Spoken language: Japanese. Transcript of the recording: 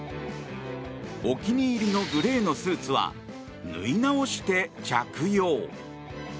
お気に入りのグレーのスーツは縫い直して着用。